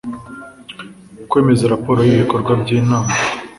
Kwemeza raporo y’ibikorwa by’inama